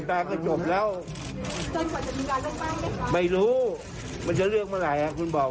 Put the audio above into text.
เพราะว่าแต่ว่าคุณใหล่ังไว้เขาเตรียมทัวร์อย่างแบบนั้น